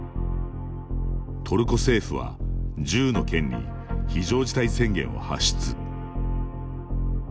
トルコ政府は、１０の県に非常事態宣言を発出。